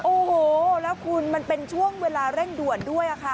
โอ้โหแล้วคุณมันเป็นช่วงเวลาเร่งด่วนด้วยค่ะ